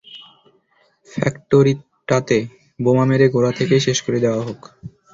ফ্যাক্টরিটাতে বোমা মেরে গোড়া থেকেই শেষ করে দেয়া হোক।